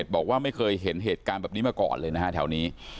บอกว่าไม่เคยเห็นเหตุการณ์แบบนี้มาก่อนเลยนะฮะแถวนี้